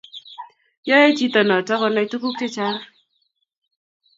yoe chito noto konay tuguk chechang